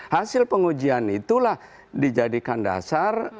hasil pengujian itulah dijadikan dasar